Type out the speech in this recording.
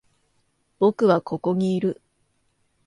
僕はここにいる。